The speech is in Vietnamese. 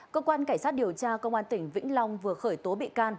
cơ quan cảnh sát điều tra công an tỉnh vĩnh long vừa khởi tố bị can